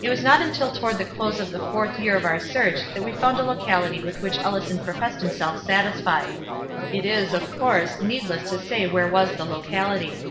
It was not until toward the close of the fourth year of our search that we found a locality with which Ellison professed himself satisfied. It is, of course, needless to say where was the locality.